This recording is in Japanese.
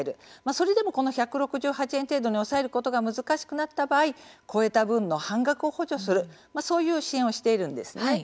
それでも、この１６８円程度に抑えることが難しくなった場合超えた分の半額を補助するそういう支援をしているんですね。